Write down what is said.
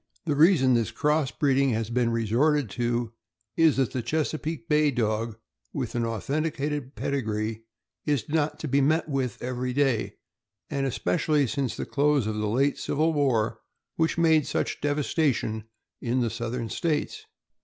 The reason this cross breeding has been resorted to is that the Chesapeake Bay Dog, with an authenticated pedigree, is not to be met with every day, and especially since the close of the late civil war, which made such devastation in the Southern States.